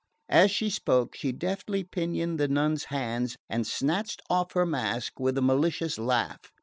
As she spoke she deftly pinioned the nun's hands and snatched off her mask with a malicious laugh.